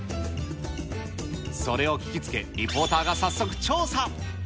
それを聞きつけ、リポーターが早速調査。